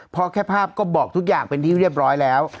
พอแค่ภาพก็บอกทุกอย่างเป็นที่เรียบร้อยแล้ว